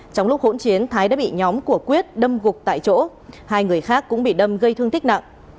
trong lúc hỗn chiến thái đã bị nhóm của quyết đâm gục tại chỗ hai người khác cũng bị đâm gây thương tích nặng